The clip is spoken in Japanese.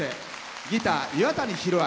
ギター、岩谷弘明。